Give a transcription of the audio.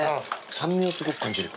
酸味をすごく感じる。